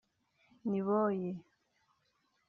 Niboye